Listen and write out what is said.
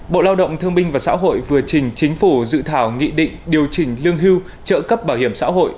bộ lao động thương minh và xã hội vừa trình chính phủ dự thảo nghị định điều chỉnh lương hưu trợ cấp bảo hiểm xã hội